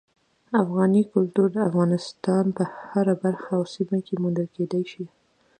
افغاني کلتور د افغانستان په هره برخه او سیمه کې موندل کېدی شي.